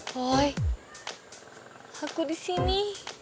boy aku di sini